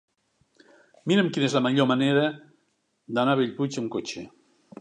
Mira'm quina és la millor manera d'anar a Bellpuig amb cotxe.